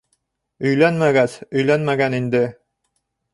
Өйләнмәгәс, өйләнмәгән инде.